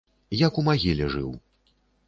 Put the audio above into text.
Як у магіле жыў.